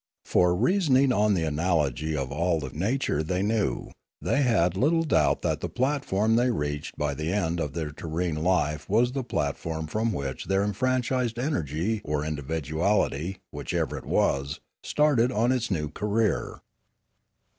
For, reasoning on the analogy of all the nature they knew, they had little doubt that the platform they reached by the end of their terrene life was the platform from which their enfranchised energy or individuality, whichever it was, started on its new career.